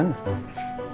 pakai aduk dulu